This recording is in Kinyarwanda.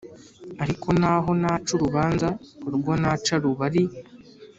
Ariko naho naca urubanza urwo naca ruba ari